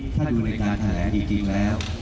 ถ้าดูในการแถลงจริงแล้ว